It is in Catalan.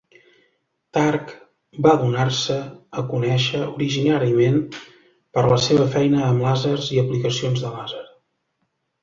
Targ va donar-se a conèixer originàriament per la seva feina amb làsers i aplicacions de làser.